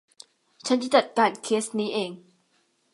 ฉันจะจัดการเคสนี้เอง